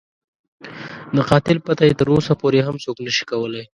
د قاتل پته یې تر اوسه پورې هم څوک نه شي کولای.